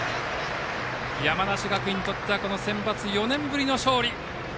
山梨学院にとってはセンバツ４年ぶりの勝利。